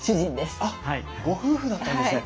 あっご夫婦だったんですね。